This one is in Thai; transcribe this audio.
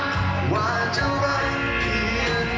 แสงนั้นก็จะรักเพียงคุณ